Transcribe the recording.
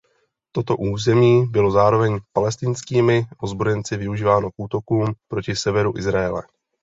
Toto území bylo zároveň palestinskými ozbrojenci využíváno k útokům proti severu Izraele.